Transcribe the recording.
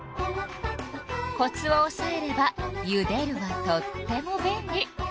コツをおさえれば「ゆでる」はとっても便利。